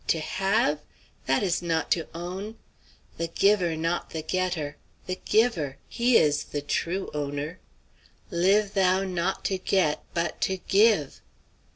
To have? That is not to own. The giver, not the getter; the giver! he is the true owner. Live thou not to get, but to give."